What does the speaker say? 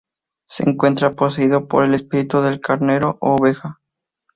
Se encuentra poseído por el espíritu del carnero u oveja.